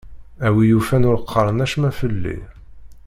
A wi yufan ur qqaren acemma fell-i.